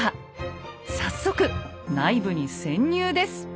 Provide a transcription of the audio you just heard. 早速内部に潜入です。